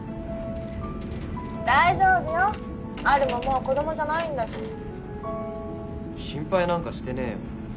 大丈夫よアルももう子供じゃないんだし心配なんかしてねえよ